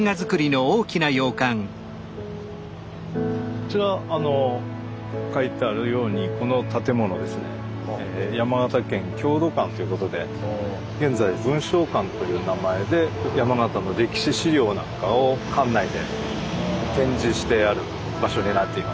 こちら書いてあるようにこの建物ですね山形県郷土館ということで現在「文翔館」という名前で山形の歴史資料なんかを館内で展示してある場所になっています。